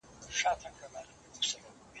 ته پاچایې د ځنگلونو او د غرونو